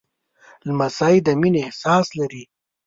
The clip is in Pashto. لمسی د مینې احساس لري.